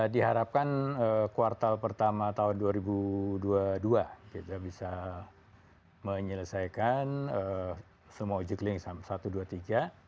diharapkan kuartal pertama tahun dua ribu dua puluh dua kita bisa menyelesaikan semua uji klinik satu dua tiga